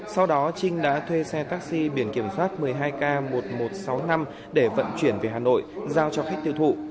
sau đó trinh đã thuê xe taxi biển kiểm soát một mươi hai k một nghìn một trăm sáu mươi năm để vận chuyển về hà nội giao cho khách tiêu thụ